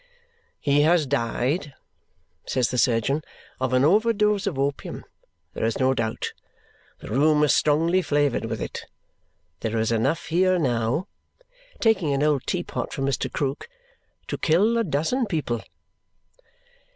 "He has died," says the surgeon, "of an over dose of opium, there is no doubt. The room is strongly flavoured with it. There is enough here now," taking an old tea pot from Mr. Krook, "to kill a dozen people."